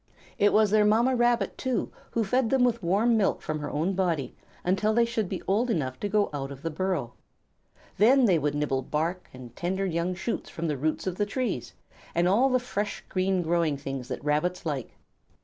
It was their Mamma Rabbit, too, who fed them with warm milk from her own body until they should be old enough to go out of the burrow. Then they would nibble bark and tender young shoots from the roots of the trees, and all the fresh, green, growing things that Rabbits like.